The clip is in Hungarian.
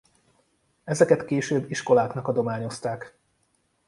Ezeket később iskoláknak adományozták.